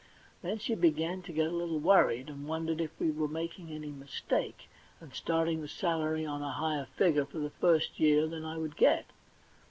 Then she began to get a little worried, and wondered if we were making any mistake, and starting the salary on a higher figure for the first year than I would get.